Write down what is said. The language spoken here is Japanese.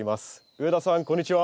上田さんこんにちは。